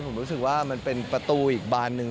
ผมรู้สึกว่ามันเป็นประตูอีกบานหนึ่ง